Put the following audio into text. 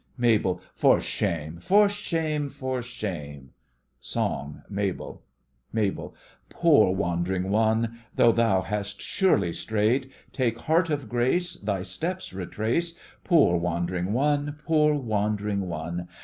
MABEL: For shame, for shame, for shame! SONG—MABEL MABEL: Poor wand'ring one! Though thou hast surely strayed, Take heart of grace, Thy steps retrace, Poor wand'ring one! Poor wand'ring one!